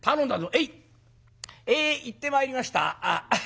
「へい！え行ってまいりました。